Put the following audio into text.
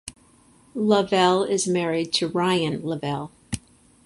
Lavell is married to Ryan Lavell.